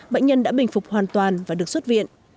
bệnh nhân đã bình phục hoàn toàn và được xuất viện